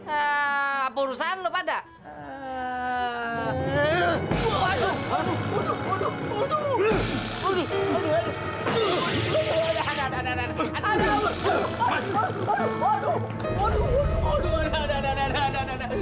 apa urusan lo pada